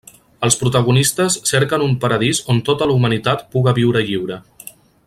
Els protagonistes cerquen un paradís on tota la humanitat puga viure lliure.